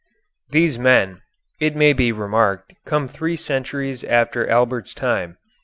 These men, it may be remarked, come three centuries after Albert's time.